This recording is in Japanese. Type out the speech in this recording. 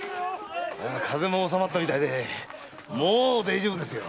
風もおさまったみたいでもう大丈夫ですよ。